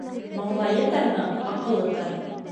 Маңлайы тарҙың аҡылы тар.